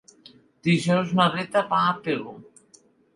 Dijous na Rita va a Pego.